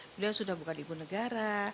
beliau sudah bukan ibu negara